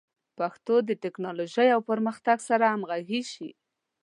پښتو د ټکنالوژۍ او پرمختګ سره همغږي شي.